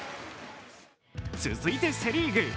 続いてセ・リーグ。